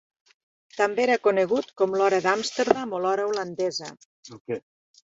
També era conegut com l"Hora d"Amsterdam o l"Hora holandesa.